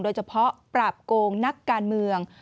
เฉพาะปราบโกงนักการเมือง